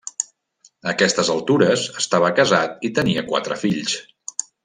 A aquestes altures estava casat i tenia quatre fills.